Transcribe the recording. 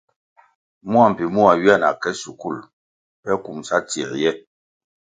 Mua mbpi mua ywia na ke shukul pe kumʼsa tsie ye.